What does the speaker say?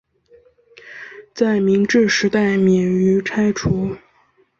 在明治时代免于拆除。